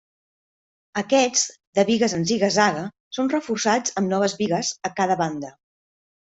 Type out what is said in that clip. Aquests, de bigues en ziga-zaga, són reforçats amb noves bigues a cada banda.